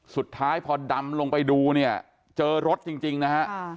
สุดท้ายพอดำลงไปดูเนี่ยเจอรถจริงนะฮะ